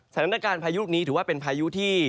พายุลูกนี้ถือว่าเป็นพายุที่